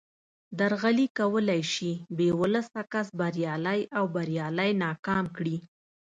درغلي کولای شي بې ولسه کس بریالی او بریالی ناکام کړي